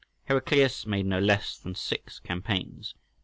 Heraclius made no less than six campaigns (A.